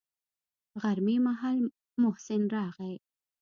غرمې مهال محسن راغى.